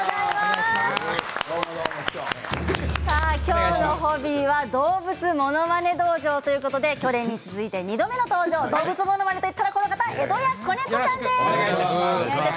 きょうのホビーは動物ものまね道場ということで去年に続いて２度目の登場動物ものまねといったらこの方江戸家小猫さんです。